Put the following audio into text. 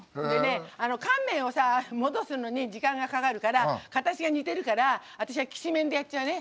乾麺を戻すのに時間がかかるから形が似てるから私はきしめんでやっちゃうね。